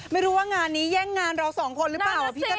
ไม่รู้ว่างานนี้แย่งงานเราสองคนหรือเปล่าพี่แจ๊